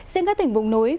trên các tỉnh vùng núi